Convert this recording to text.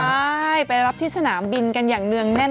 ใช่ไปรับที่สนามบินกันอย่างเนื่องแน่น